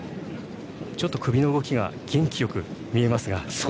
ちょっと首の動きが元気よく見えますが。